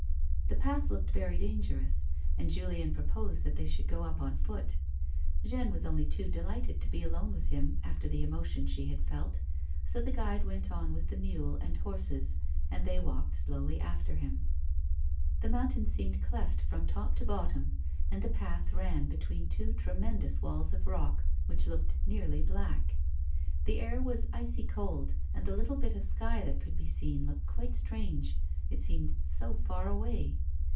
The path looked very dangerous, and Julien proposed that they should go up on foot. Jeanne was only too delighted to be alone with him after the emotion she had felt, so the guide went on with the mule and the horses, and they walked slowly after him. The mountain seemed cleft from top to bottom, and the path ran between two tremendous walls of rock which looked nearly black. The air was icy cold, and the little bit of sky that could be seen looked quite strange, it seemed so far away.